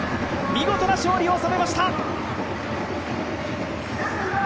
見事な勝利を収めました！